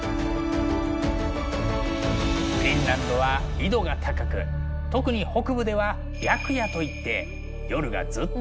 フィンランドは緯度が高く特に北部では白夜といって夜がずっと明るい現象が起こる。